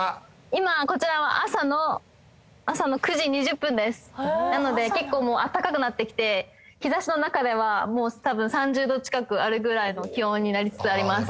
今こちらは朝の朝の９時２０分ですなので結構もう暖かくなってきて日ざしの中ではもう多分３０度近くあるぐらいの気温になりつつあります